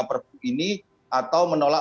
perpu ini atau menolak